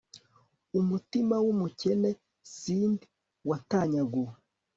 umutima w'umukene cindy watanyaguwe